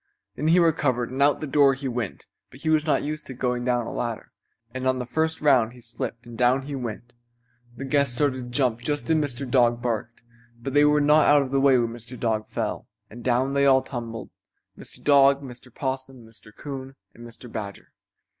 Then he recovered and out of the door he went; but he was not used to going down a ladder, and on the first round he slipped and down he went. The guests started to jump just as Mr. Dog barked, but they were not out of the way when Mr. Dog fell, and down they all tumbled, Mr. Dog, Mr. Possum, Mr. Coon and Mr. Badger.